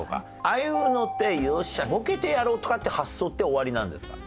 ああいうのって「よっしゃボケてやろう」とかって発想っておありなんですか？